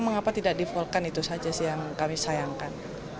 mengapa tidak defaulkan itu saja sih yang kami sayangkan